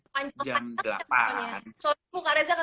panjang banget ya